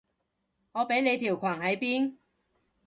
我畀你條裙喺邊？